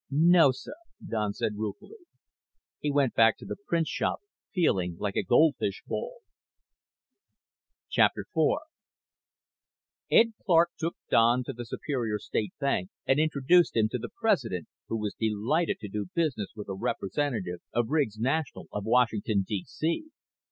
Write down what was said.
"No, sir," Don said ruefully. He went back to the printshop, feeling like a goldfish bowl. IV Ed Clark took Don to the Superior State Bank and introduced him to the president, who was delighted to do business with a representative of Riggs National of Washington, D. C.